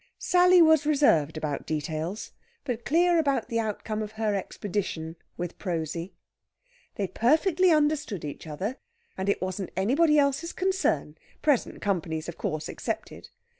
Sally was reserved about details, but clear about the outcome of her expedition with Prosy. They perfectly understood each other, and it wasn't anybody else's concern; present company's, of course, excepted.